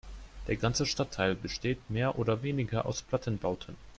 Der ganze Stadtteil besteht mehr oder weniger aus Plattenbauten.